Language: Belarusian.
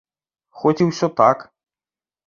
Хоць і ўсе так.